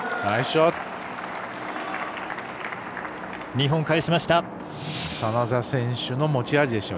日本、返しました。